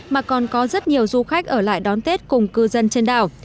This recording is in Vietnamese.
mà còn có rất nhiều du khách ở lại đón tết cùng cư dân trên đảo